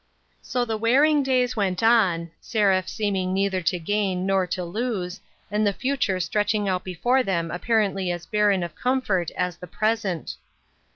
232 WAITING. So the wearing days went on, Seraph seeming neither to gain, nor to lose, and the future stretch ing out before them apparently as barren of comfort as the present.